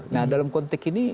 nah dalam konteks ini